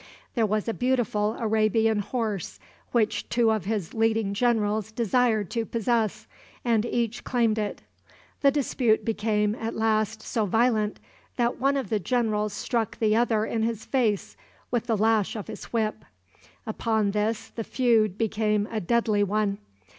There was a beautiful Arabian horse which two of his leading generals desired to possess, and each claimed it. The dispute became, at last, so violent that one of the generals struck the other in his face with the lash of his whip. Upon this the feud became a deadly one.